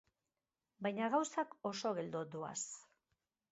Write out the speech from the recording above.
Baina gauzak oso geldo doaz.